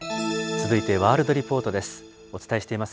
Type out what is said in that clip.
続いてワールドリポートです。